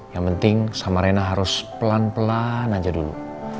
yang penting sama rena harus pelan pelan aja dulu